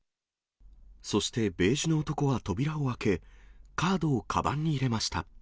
そしてベージュの男は扉を開け、カードをかばんに入れました。